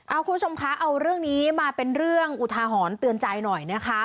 คุณผู้ชมคะเอาเรื่องนี้มาเป็นเรื่องอุทาหรณ์เตือนใจหน่อยนะคะ